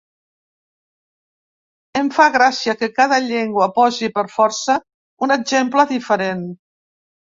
Em fa gràcia que cada llengua posi, per força, un exemple diferent.